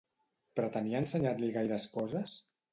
Pretenia ensenyar-li gaires coses?